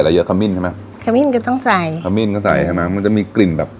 เยอะขมิ้นใช่ไหมขมิ้นก็ต้องใส่ขมิ้นก็ใส่ใช่ไหมมันจะมีกลิ่นแบบ